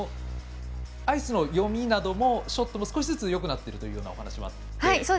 アイスの読みなどもショットも少しずつよくなっているというようなお話もあって。